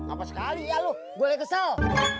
apa sekali ya lo gua lagi kesel